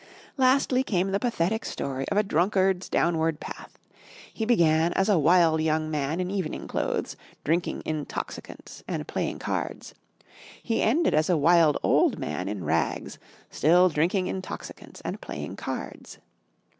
Lastly came the pathetic story of a drunkard's downward path. He began as a wild young man in evening clothes drinking intoxicants and playing cards, he ended as a wild old man in rags still drinking intoxicants and playing cards.